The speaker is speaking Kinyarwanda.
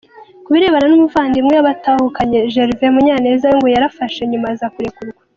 Ku birebana n’umuvandimwe we batahukanye, Jervais Munyaneza, we ngo yarafashe nyuma aza kurekurwa.